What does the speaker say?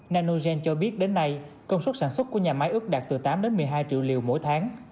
nanogen cho biết đến nay công suất sản xuất của nhà máy ước đạt từ tám đến một mươi hai triệu liều mỗi tháng